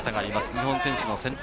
日本選手の先頭。